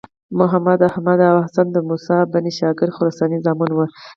محمد، احمد او حسن د موسی بن شاګر خراساني زامن وو.